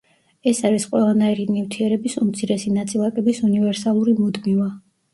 ეს არის ყველანაირი ნივთიერების უმცირესი ნაწილაკების უნივერსალური მუდმივა.